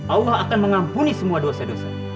allah akan mengampuni semua dosa dosa